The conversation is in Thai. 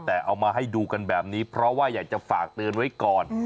แต่เอามาให้ดูกันแบบนี้เพราะว่าอยากจะฝากเตือนไว้ก่อน